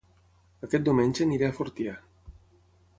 Aquest diumenge aniré a Fortià